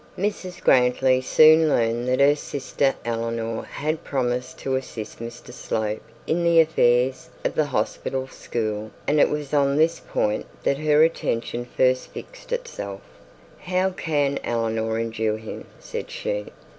Mrs Grantly soon learnt that her sister Eleanor had promised to assist Mr Slope in the affairs of the hospital; and it was on this point that her attention soon fixed itself. 'How can Eleanor endure him?' said she.